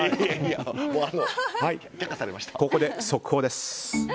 ここで速報です。